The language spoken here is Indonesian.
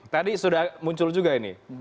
tadi sudah muncul juga ini